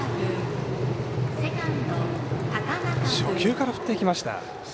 初球から振っていきました。